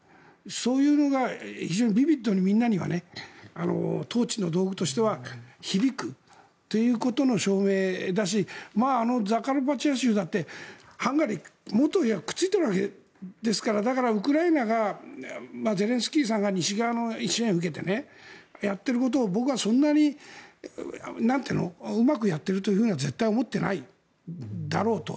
そういうのが非常にビビッドにみんなには統治の道具としては響くということの証明だしあのザカルパチア州だってハンガリーにくっついているわけですからだから、ウクライナがゼレンスキーさんが西側の支援を受けてやってることを僕はそんなにうまくやっているというふうには絶対に思っていないだろうと。